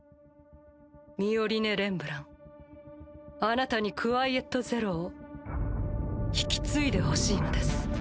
ミオリネ・レンブランあなたにクワイエット・ゼロを引き継いでほしいのです。